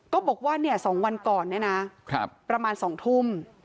ก็บอกว่า๒วันก่อนเนี่ยนะประมาณ๒ทุ่ม